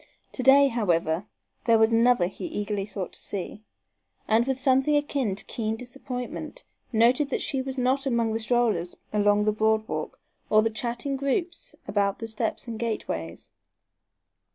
To day, however, there was another he eagerly sought to see, and, with something akin to keen disappointment, noted that she was not among the strollers along the board walk or the chatting groups about the steps and gateways.